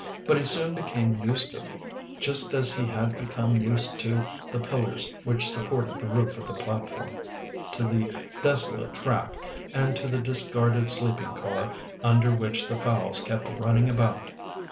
But he soon became used to me, just as he had become used to the pillars which supported the roof of the platform, to the desolate track, and to the discarded sleeping car under which the fowls kept running about.